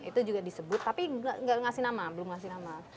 itu juga disebut tapi belum dikasih nama